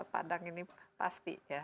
padang ini pasti ya